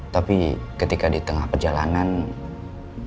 tapi ketika di tengah perjalanan mobil ambulans